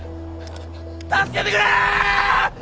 助けてくれ！